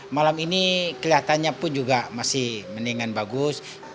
malam ini kelihatannya pun juga masih mendingan bagus